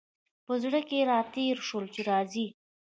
په زړه کي را تېر شول چي راځي !